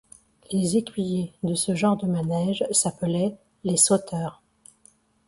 Les écuyers de ce genre de manège s’appelaient « les sauteurs ».